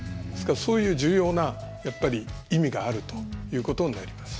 そういう重要な意味があるということになります。